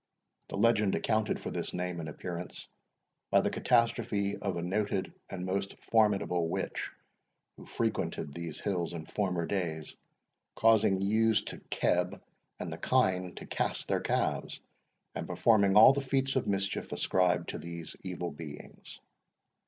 The legend accounted for this name and appearance by the catastrophe of a noted and most formidable witch who frequented these hills in former days, causing the ewes to KEB, and the kine to cast their calves, and performing all the feats of mischief ascribed to these evil beings.